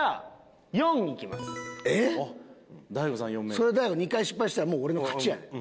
それ大悟２回失敗したらもう俺の勝ちやで？